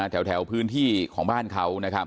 แถวพื้นที่ของบ้านเขา